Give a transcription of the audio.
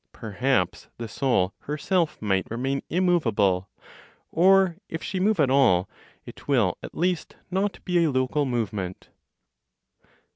Perhaps the Soul herself might remain immovable; or, if she move at all, it will at least not be a local movement.